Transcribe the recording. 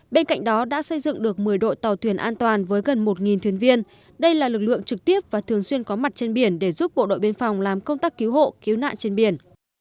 bên cạnh đó đã xây dựng được một mươi đội tàu thuyền an toàn với gần một thuyền viên đây là lực lượng trực tiếp và thường xuyên có mặt trên biển để giúp bộ đội biên phòng làm công tác cứu hộ cứu nạn trên biển